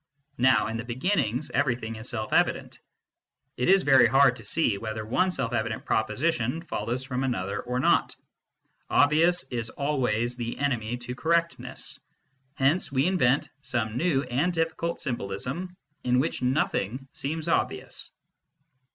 Now, in the beginnings, everything is self evident ; and it is very hard to see whether one self evident proposition follows from another or not. Obviousness is always the enemy to correctness. Hence we invent some new and difficult symbolism, in which nothing seems obvious.